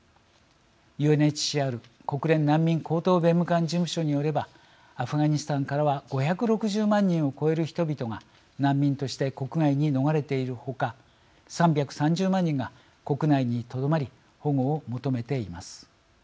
ＵＮＨＣＲ＝国連難民高等弁務官事務所によれば、アフガニスタンからは５６０万人を超える人々が難民として国外に逃れている他３３０万人が国内にとどまり保護を求めています。